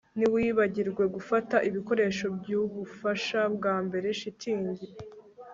Ntiwibagirwe gufata ibikoresho byubufasha bwambere shitingi